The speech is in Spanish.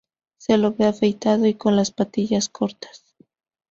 Se lo ve afeitado y con las patillas cortas.